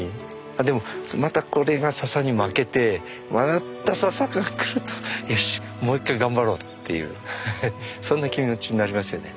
でもまたこれがササに負けてまたササが来るとよしもう一回頑張ろうっていうそんな気持ちになりますよね。